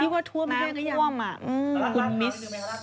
พี่ว่าท่วมแค่นี้ยังน้ำท่วมอ่ะคุณมิส